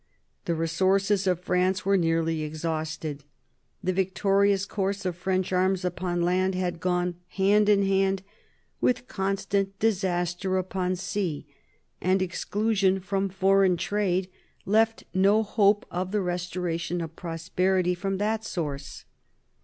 The resources of France were nearly exhausted. The victorious course of French arms upon land had gone hand in hand with constant disaster upon sea, and exclusion from foreign trade left no hope of the restoration of prosperity from that source.